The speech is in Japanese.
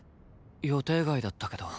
予定外だったけど。